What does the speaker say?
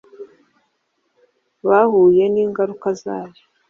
Bahuye n ingaruka zayo